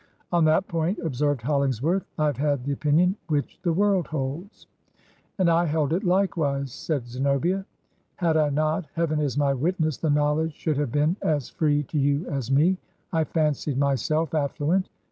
'On that point,' observed Hollingsworth, 'I have had the opinion which the world holds.' 'And I held it, likewise,' said Zenobia. ' Had I not. Heaven is my witness, the knowledge shotdd have been as free to you as me. I fancied myself affluent.